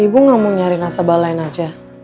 ibu gak mau nyari nasabah lain aja